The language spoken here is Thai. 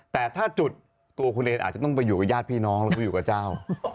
แต่ถ้าจุดตัวคุณเองอาจจะต้องไปอยู่กับญาติพี่น้องแล้วก็อยู่กับเจ้า